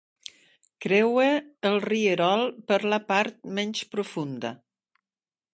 Creua el rierol per la part menys profunda.